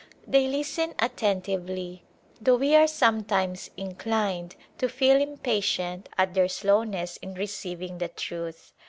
They listen attentively, though we are sometimes in clined to feel impatient at their slowness in receiving the truth.